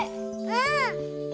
うん！